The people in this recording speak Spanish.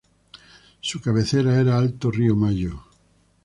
Su cabecera era Alto Río Mayo.